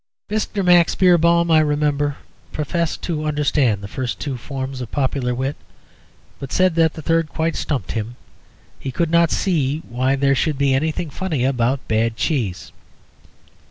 Mr. Max Beerbohm, I remember, professed to understand the first two forms of popular wit, but said that the third quite stumped him. He could not see why there should be anything funny about bad cheese.